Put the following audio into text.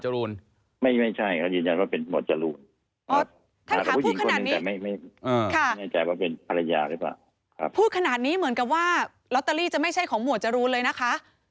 รอตเตอรี่จะไม่ใช่ของหมวดจรูนเลยนะคะ